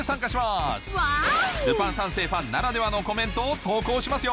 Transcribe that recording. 『ルパン三世』ファンならではのコメントを投稿しますよ！